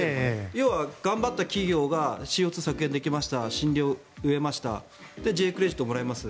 要は頑張った企業がＣＯ２削減できました森林を植えましたで、Ｊ−クレジットをもらいます